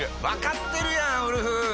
分かってるやんウルフ！